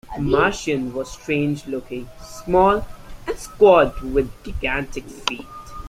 The Martian was strange-looking: small and squat with gigantic feet.